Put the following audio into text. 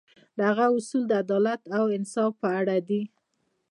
د هغه اصول د عدالت او انصاف په اړه دي.